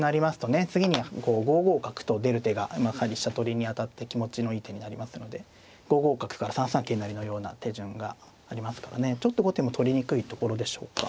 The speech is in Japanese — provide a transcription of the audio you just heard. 次に５五角と出る手が飛車取りに当たって気持ちのいい手になりますので５五角から３三桂成のような手順がありますからねちょっと後手も取りにくいところでしょうか。